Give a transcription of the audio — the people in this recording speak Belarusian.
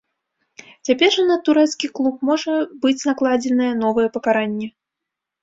Цяпер жа на турэцкі клуб можа быць накладзенае новае пакаранне.